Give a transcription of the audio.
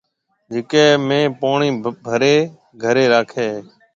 جڪَي ۾ پوڻِي ڀريَ گهري راکيَ هيَ۔